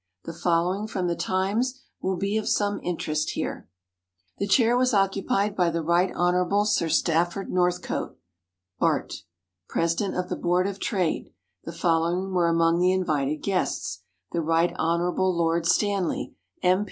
The following from The Times will be of some interest here: The chair was occupied by the Rt. Hon. Sir Stafford Northcote, Bart., President of the Board of Trade. The following were among the invited guests: the Rt. Hon. Lord Stanley, M.